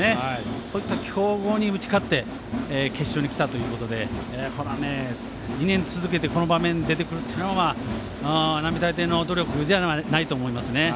そういった強豪に打ち勝って決勝に来たということで２年続けてこの場面に出てくるのは並大抵の努力ではないと思います。